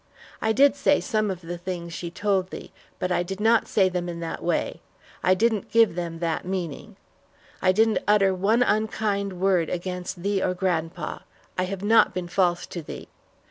I did say some of the things she told thee, but I did not say them in that way. I didn't give them that meaning. I didn't utter one unkind word against thee or grandpa. I have not been false to thee.